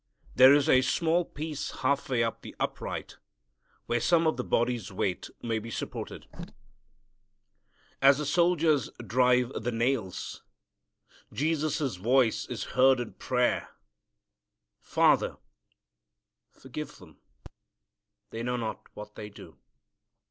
There is a small piece half way up the upright where some of the body's weight may be supported. As the soldiers drive the nails, Jesus' voice is heard in prayer, "Father, forgive them; they know not what they do."